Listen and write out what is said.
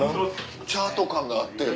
チャート館があって。